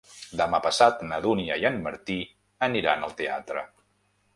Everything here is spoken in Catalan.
Demà passat na Dúnia i en Martí aniran al teatre.